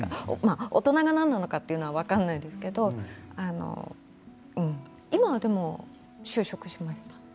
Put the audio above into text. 大人が何なのかは分からないですけど今はでも就職しました。